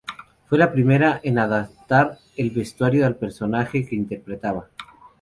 Fue la primera en adaptar el vestuario al personaje que interpretaba.